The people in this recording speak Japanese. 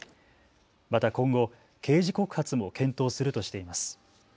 また今後、刑事告発も検討するとしています。